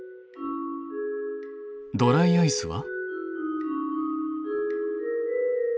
ドライアイスは？